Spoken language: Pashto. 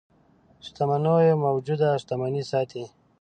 شتمنيو موجوده شتمني ساتي.